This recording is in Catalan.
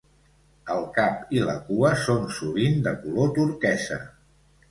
El cap i la cua són sovint de color turquesa.